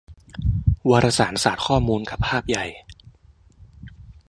วารสารศาสตร์ข้อมูลกับภาพใหญ่